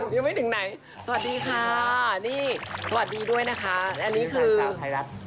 ยังไม่ถึงไหนสวัสดีค่ะนี่สวัสดีด้วยนะคะและอันนี้คือไทยรัฐ